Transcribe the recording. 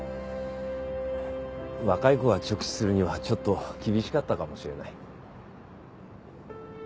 若い子が直視するにはちょっと厳しかったかもしれない。